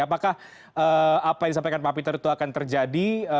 apakah apa yang disampaikan pak peter itu akan terjadi